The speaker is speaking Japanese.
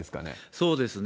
そうですね。